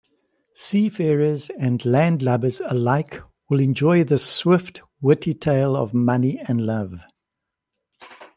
Seafarers and landlubbers alike will enjoy this swift, witty tale of money and love.